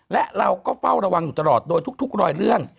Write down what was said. และเราก็เฝ้าระวังอยู่ตลอดโดยทุกรอยเลื่อน